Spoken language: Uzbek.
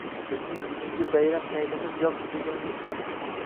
bizning bugungi bayramsaylimiz yoqdi degan umiddamiz..